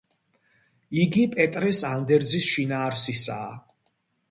იგი პეტრეს ანდერძის შინაარსისაა.